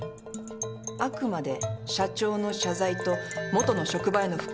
あくまで社長の謝罪と元の職場への復帰が条件。